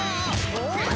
おっ！